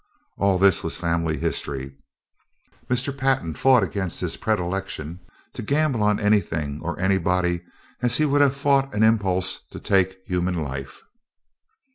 All this was family history. Mr. Pantin fought against his predilection to gamble on anything or anybody as he would have fought an impulse to take human life.